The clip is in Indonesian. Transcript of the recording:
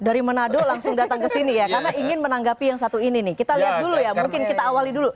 dari manado langsung datang ke sini ya karena ingin menanggapi yang satu ini nih kita lihat dulu ya mungkin kita awali dulu